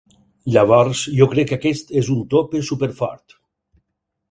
Llavors, jo crec que aquest és un tope superfort.